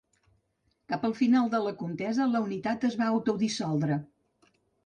Cap al final de la contesa la unitat es va autodissoldre.